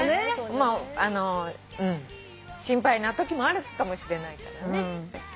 まあうん心配なときもあるかもしれないからね。